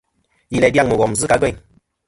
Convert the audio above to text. Yi læ dyaŋ mùghom zɨ kɨ̀ a gveyn.